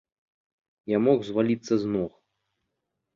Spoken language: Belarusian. Я мог зваліцца з ног.